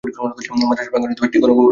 মাদ্রাসার প্রাঙ্গণে একটি গণকবর রয়েছে।